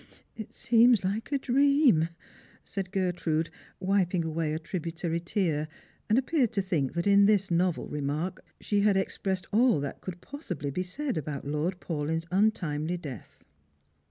"It seems like a dream," said Gertrude, wiping away a tributary tear, and appeared to think that in this novel remark she had expressed all that could possibly be said about Lord Paulyn's untimely death.